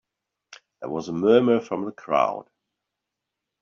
There was a murmur from the crowd.